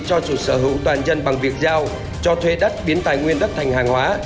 cho chủ sở hữu toàn dân bằng việc giao cho thuê đất biến tài nguyên đất thành hàng hóa